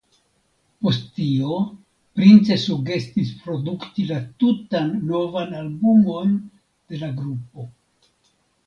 Post tio Prince sugestis produkti la tutan novan albumon de la grupo.